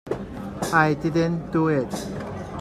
I didn't do it.